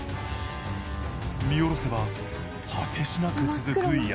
見下ろせば果てしなく続く闇。